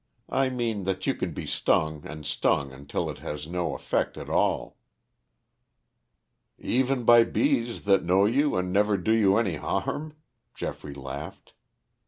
I mean that you can be stung and stung until it has no effect at all." "Even by bees that know you and never do you any harm," Geoffrey laughed.